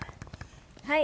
はい。